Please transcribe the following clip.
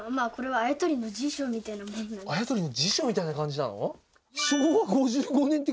あや取りの辞書みたいな感じなの？